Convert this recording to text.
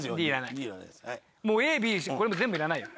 もうＡＢこれも全部いらないよ。